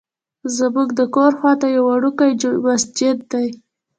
زمونږ د کور خواته یو وړوکی مسجد دی.